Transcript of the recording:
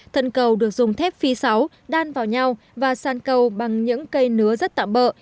thân cầu được dùng thép phi sáu đan vào nhau và san cầu bằng những cây nứa rất tạm bỡ